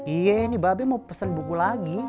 iya ini babi mau pesen buku lagi